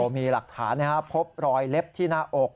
มีหลักฐานพบรอยเล็บที่หน้าอก